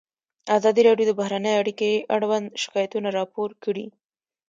ازادي راډیو د بهرنۍ اړیکې اړوند شکایتونه راپور کړي.